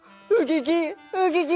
ウキキ！